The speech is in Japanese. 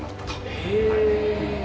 へえ。